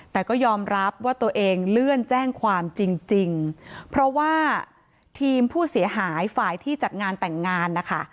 แต่ก็ยอมรับว่าตัวเองเลื่อนแจ้งความจริงเพราะว่าทีมผู้เสียหายฝ่ายที่จัดงานแต่งงานนะคะ